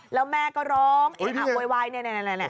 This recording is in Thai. แล้วแม่ก็ร้องโวยวายนี่